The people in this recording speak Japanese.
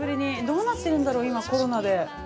どうなってるんだろう、今、コロナで。